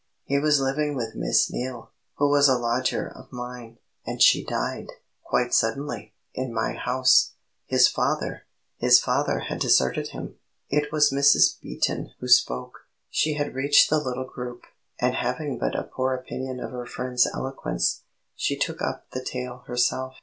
"He was living with Miss Neale, who was a lodger of mine, and she died, quite suddenly, in my house. His father " "His father had deserted him." It was Mrs. Beaton who spoke. She had reached the little group, and having but a poor opinion of her friend's eloquence, she took up the tale herself.